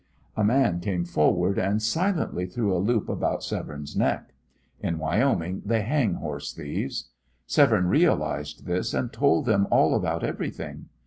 A man came forward, and silently threw a loop about Severne's neck. In Wyoming they hang horse thieves. Severne realised this, and told them all about everything.